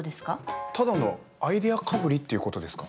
ただのアイデアかぶりっていうことですか？